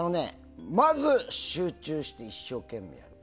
まず、集中して一生懸命やる。